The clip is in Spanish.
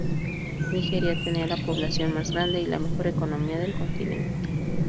Nigeria tenía la población más grande y la mejor economía del continente.